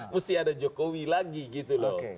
mesti ada jokowi lagi gitu loh